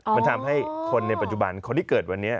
มันทำให้คนในปัจจุบันคนที่เกิดวันนี้